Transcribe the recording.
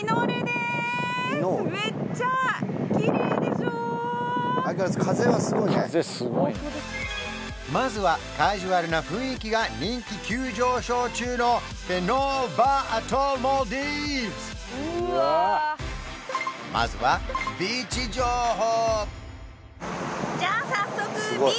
すごいまずはカジュアルな雰囲気が人気急上昇中のまずはビーチ情報！